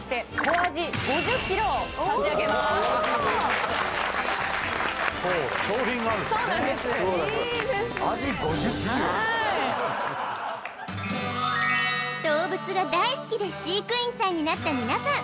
アジ５０ｋｇはい動物が大好きで飼育員さんになった皆さん